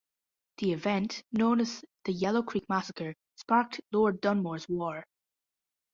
The event, known as the Yellow Creek massacre, sparked Lord Dunmore's War.